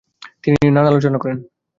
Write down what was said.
তিনি নানা আলোচনা করেন।